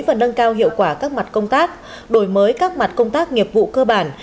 và nâng cao hiệu quả các mặt công tác đổi mới các mặt công tác nghiệp vụ cơ bản